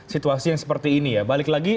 situasi yang seperti ini ya balik lagi